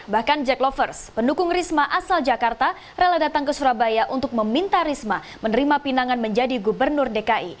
bahkan jack lovers pendukung risma asal jakarta rela datang ke surabaya untuk meminta risma menerima pinangan menjadi gubernur dki